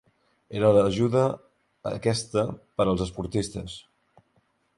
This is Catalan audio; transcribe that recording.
Era l'ajuda aquesta per als esportistes.